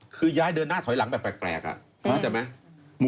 คือย้ายเดินหน้าถอยหลังแบบแปลกเข้าใจไหม